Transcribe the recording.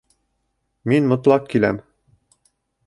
Мин мотлаҡ киләм